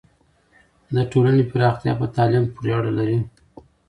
د ټولنې پراختیا په تعلیم پورې اړه لري.